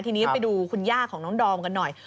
ทีนี้ไปดูคุณย่าของน้องดอมกันหน่อย